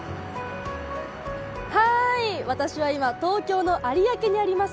私は今東京の有明にあります